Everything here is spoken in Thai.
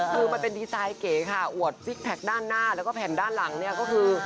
คือมันเป็นดีไซน์เก๋ค่ะอวดซิกแพคด้านหน้าแล้วก็แผ่นด้านหลังเนี่ยก็คือ